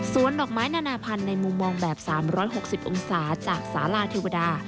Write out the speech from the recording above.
ส่วนดอกไม้นานาพันธุ์ในมุมมองแบบ๓๖๐องศาจากสาลาเทวดา